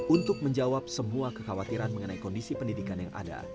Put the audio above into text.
untuk menjawab semua kekhawatiran mengenai kondisi pendidikan yang ada